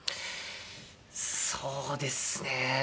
そうですね。